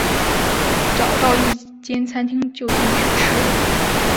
找到一间餐厅就进去吃